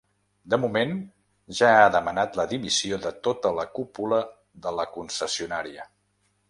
De moment, ja ha demanat la dimissió de tota la cúpula de la concessionària.